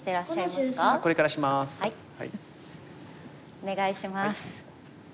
お願いします。